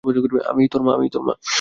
আমিই তোর মা।